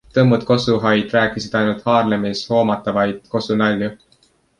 Tõmmud kossuhaid rääkisid ainult Haarlemis hoomatavaid kossunalju.